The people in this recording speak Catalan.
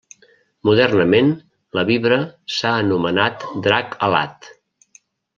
Modernament, la Vibra s’ha anomenat Drac Alat.